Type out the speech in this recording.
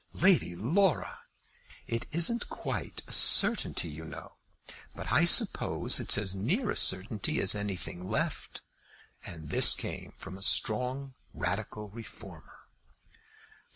"Lady Laura!" "It isn't quite a certainty, you know, but I suppose it's as near a certainty as anything left." And this came from a strong Radical Reformer!